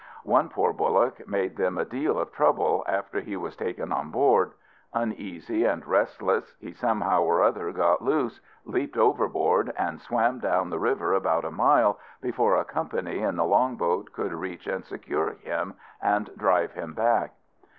One poor bullock made them a deal of trouble, after he was taken on board. Uneasy and restless, he somehow or other got loose, leaped overboard, and swam down the river about a mile, before a company in the long boat could reach and secure him, and drive him back.